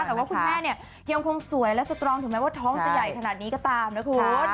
แต่ว่าคุณแม่คงสวยและสบองถือไม่ว่าท้องจะใหญ่คนนี้ก็ตามนะครู